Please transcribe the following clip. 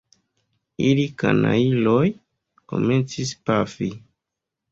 Ili, kanajloj, komencis pafi!